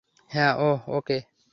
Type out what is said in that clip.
হ্যাঁ ওহ, ওকে।